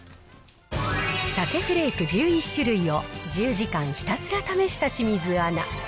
鮭フレーク１１種類を、１０時間ひたすら試した清水アナ。